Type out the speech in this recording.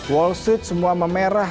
wall street semua memerah